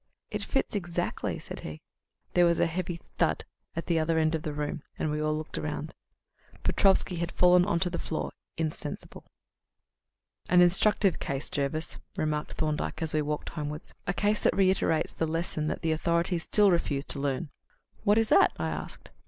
"It fits exactly," said he. There was a heavy thud at the other end of the room and we all looked round. Petrofsky had fallen on to the floor insensible. "An instructive case, Jervis," remarked Thorndyke, as we walked homewards "a case that reiterates the lesson that the authorities still refuse to learn." "What is that?" I asked.